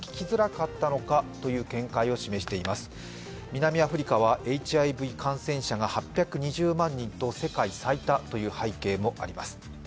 南アフリカはＨＩＶ感染者が２８００万人と世界最多という背景もあります。